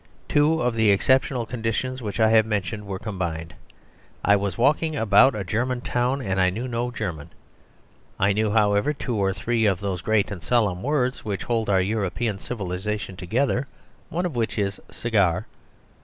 Two of the exceptional conditions which I have mentioned were combined. I was walking about a German town, and I knew no German. I knew, however, two or three of those great and solemn words which hold our European civilisation together one of which is "cigar."